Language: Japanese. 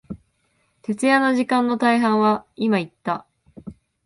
徹夜の時間の大半は、今言った、